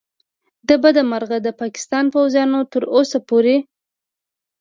له بده مرغه د پاکستان پوځیانو تر اوسه پورې